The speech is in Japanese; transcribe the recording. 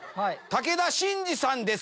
武田真治さんです。